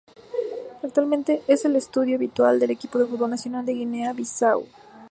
Actualmente, es el estadio habitual del equipo de fútbol nacional de Guinea-Bisáu.